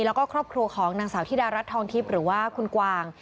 แล้วก็ครอบครัวของนางสาวธิดารัฐทองทิพย์หรือว่าคุณกวาง